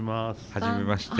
初めまして。